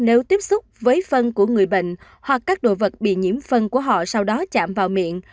nếu tiếp xúc với phân của người bệnh hoặc các đồ vật bị nhiễm phân của họ sau đó chạm vào miệng